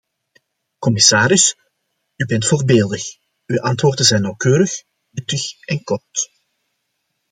Commissaris, u bent voorbeeldig: uw antwoorden zijn nauwkeurig, nuttig en kort.